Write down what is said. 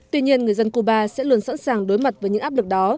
tuy nhiên người dân cuba sẽ luôn sẵn sàng đối mặt với những áp lực đó